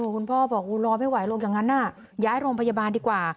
คุณพ่อบอกรอไม่ไหวลงอย่างนั้นย้ายโรงพยาบาลดีกว่า